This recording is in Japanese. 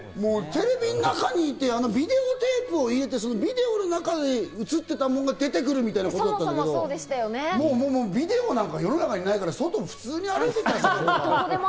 テレビの中にいて、ビデオテープを入れて、ビデオの中に映ってたもんが出てくるみたいなのが貞子だから、もうビデオなんか世の中にないから、外を普通に歩いてる、貞子が。